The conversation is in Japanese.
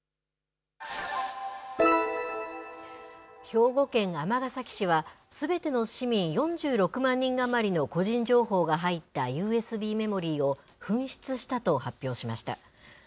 兵庫県尼崎市は、すべての市民４６万人余りの個人情報が入ったＵＳＢメモリーを紛失したと発表しました。